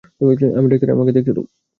আমি ডাক্তার, আমাকে দেখতে দাও।